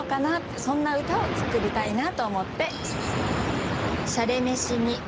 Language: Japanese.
そんな歌を作りたいなと思って。